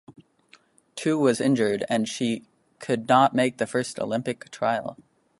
Too was injured and she could not make the first Olympic trial.